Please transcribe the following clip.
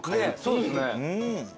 そうですね。